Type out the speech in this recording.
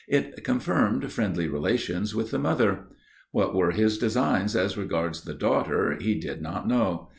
It confirmed friendly relations with the mother. What were his designs as regards the daughter he did not know.